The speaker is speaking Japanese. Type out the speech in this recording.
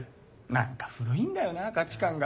何か古いんだよな価値観が。